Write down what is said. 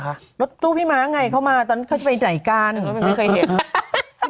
ก็สเซอร์ไพรส์เพราะไม่เคยเห็นน้ากล้าค้าตาไง